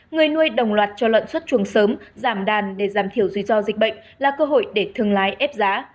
người nuôi đồng loạt cho lợn xuất trường sớm giảm đàn để giảm thiểu duy do dịch bệnh là cơ hội để thương lái ép giá